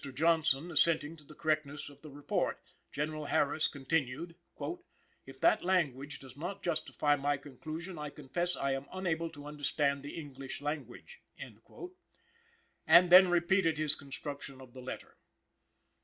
Johnson assenting to the correctness of the report, General Harris continued: "If that language does not justify my conclusion, I confess I am unable to understand the English language;" and then repeated his construction of the letter.